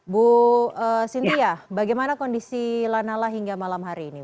bu sintia bagaimana kondisi lanala hingga malam hari ini